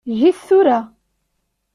Eg-it tura.